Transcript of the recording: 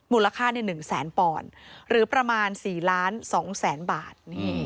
มูลค่า๑แสนป่อนหรือประมาณ๔ล้าน๒แสนบาท